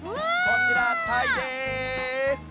こちらタイです！